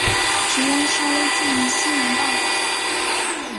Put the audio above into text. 只要稍微注意新闻报导